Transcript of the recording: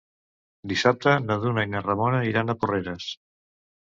Dissabte na Duna i na Ramona iran a Porreres.